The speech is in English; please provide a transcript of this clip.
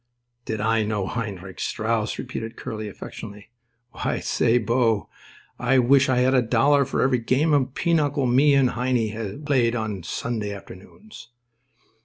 "Did I know Heinrich Strauss?" repeated Curly, affectionately. "Why, say, 'Bo, I wish I had a dollar for every game of pinochle me and Heine has played on Sunday afternoons."